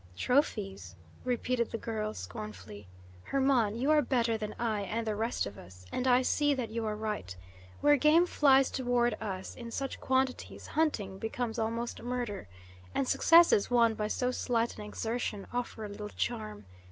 "Trophies?" repeated the girl scornfully. "Hermon, you are better than I and the rest of us, and I see that you are right. Where game flies toward us in such quantities, hunting becomes almost murder. And successes won by so slight an exertion offer little charm.